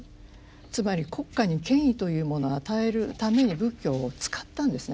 つまり国家に権威というものを与えるために仏教を使ったんですね。